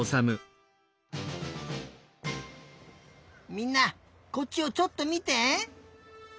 みんなこっちをちょっとみて！